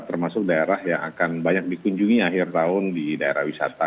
termasuk daerah yang akan banyak dikunjungi akhir tahun di daerah wisata